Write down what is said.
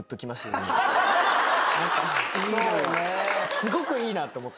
すごくいいなと思って。